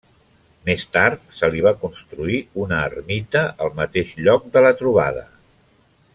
Més tard se li va construir una ermita al mateix lloc de la trobada.